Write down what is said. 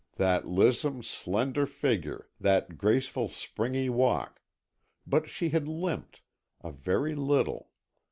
That lissome, slender figure, that graceful springy walk—but she had limped, a very little.